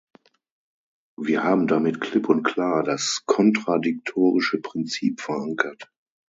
Wir haben damit klipp und klar das kontradiktorische Prinzip verankert.